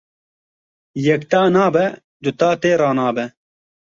Yek ta nabe du ta tê ranabe.